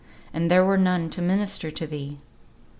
and there were none to minister to thee!